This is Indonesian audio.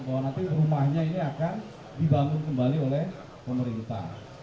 bahwa nanti rumahnya ini akan dibangun kembali oleh pemerintah